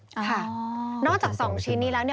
ค่ะนอกจากสองชิ้นนี้แล้ว